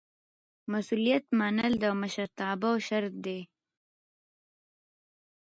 مسؤلیت منل د مشرتابه شرط دی.